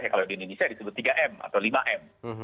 kalau di indonesia disebut tiga m atau lima m